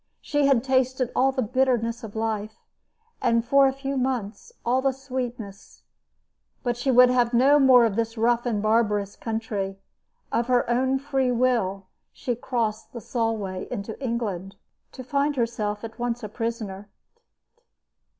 She had tasted all the bitterness of life, and for a few months all the sweetness; but she would have no more of this rough and barbarous country. Of her own free will she crossed the Solway into England, to find herself at once a prisoner.